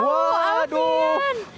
itu keren banget